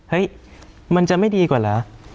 เฮ้ยมันจะไม่ดีกว่าเหรอ